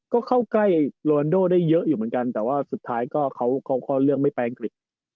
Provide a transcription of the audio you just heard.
ก็เข้าใกล้โรนโดได้เยอะอยู่เหมือนกันแต่ว่าสุดท้ายก็เขาก็เลือกไม่ไปอังกฤษ